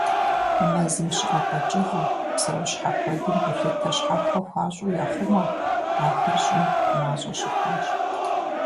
Мэзым щыӀэ къэкӀыгъэ, псэущхьэ куэдым гулъытэ щхьэхуэ хуащӀу яхъумэ: ахэр щӀым мащӀэ щыхъуащ.